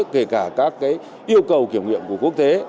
kể cả các yêu cầu kiểm nghiệm của quốc tế